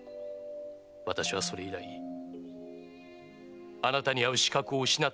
私はそれ以来あなたに会う資格を失ったのです。